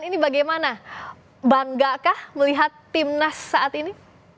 ini bagaimana banggakah melihat timnas saat ini